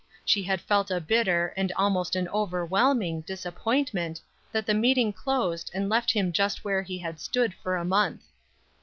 She had felt a bitter, and almost an overwhelming, disappointment that the meeting closed and left him just where he had stood for a month.